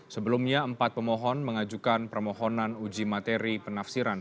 sebelumnya empat pemohon mengajukan permohonan uji materi penafsiran